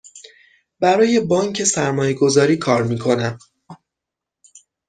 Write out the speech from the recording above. برای بانک سرمایه گذاری کار می کنم.